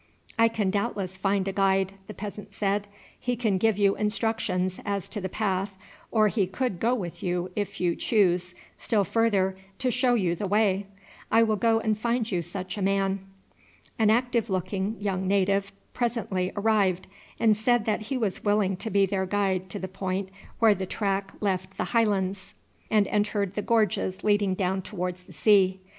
"I can doubtless find a guide," the peasant said; "he can give you instructions as to the path, or he could go with you, if you choose, still further, to show you the way. I will go and find you such a man." An active looking young native presently arrived, and said that he was willing to be their guide to the point where the track left the high lands and entered the gorges leading down towards the sea.